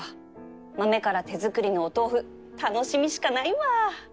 豆から手作りのお豆腐楽しみしかないわ！